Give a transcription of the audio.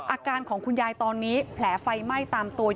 อาการของคุณยายตอนนี้แผลไฟไหม้ตามตัว